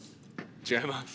違います。